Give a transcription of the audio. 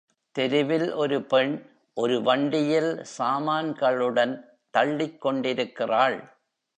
தெருவில் ஒரு பெண் ஒரு வண்டியில் சாமான்களுடன் தள்ளிக் கொண்டிருக்கிறாள்.